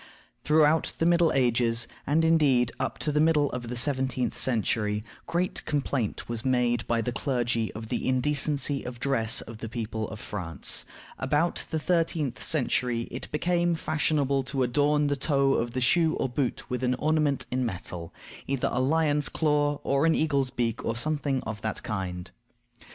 Throughout the Middle Ages, and, indeed, up to the middle of the seventeenth century, great complaint was made by the clergy of the indecency of the dress of the people of France. About the thirteenth century it became fashionable to adorn the toe of the shoe or boot with an ornament in metal; either a lion's claw, or an eagle's beak, or something of that kind.